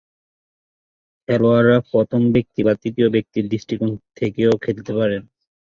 খেলোয়াড়রা প্রথম ব্যক্তি বা তৃতীয় ব্যক্তি দৃষ্টিকোণ থেকেও খেলতে পারেন।